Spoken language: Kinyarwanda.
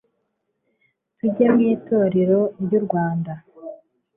tujye mwitorero ryurwanda